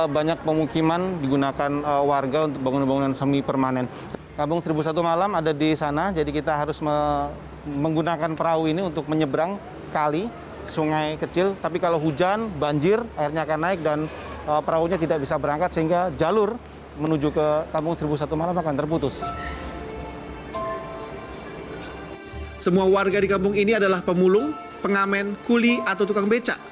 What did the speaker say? semua warga di kampung ini adalah pemulung pengamen kuli atau tukang beca